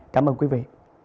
cảm ơn quý vị